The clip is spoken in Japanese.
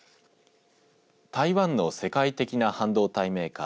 台湾の世界的な半導体メーカー